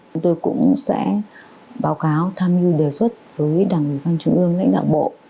công an nhân dân cũng sẽ báo cáo tham dự đề xuất với đảng quý văn chứng ương lãnh đạo bộ